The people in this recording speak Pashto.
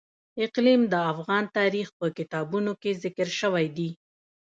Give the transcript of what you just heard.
اقلیم د افغان تاریخ په کتابونو کې ذکر شوی دي.